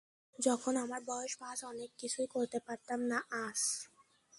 যখন আমার বয়স পাঁচ, অনেককিছুই করতে পারতাম না আঁচ।